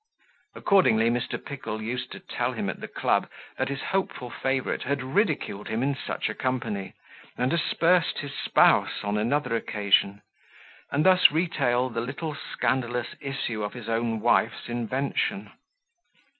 Accordingly Mr. Pickle used to tell him at the club, that his hopeful favourite had ridiculed him in such a company, and aspersed his spouse on another occasion; and thus retail the little scandalous issue of his own wife's invention.